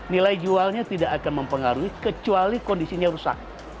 nilai jualnya tidak akan mempengaruhi kecuali kondisinya rusak